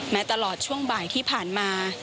ตลอดช่วงบ่ายที่ผ่านมา